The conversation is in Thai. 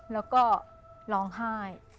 แล้วก็ร้องไห้